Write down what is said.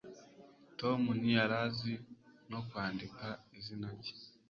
tom ntiyari azi no kwandika izina rye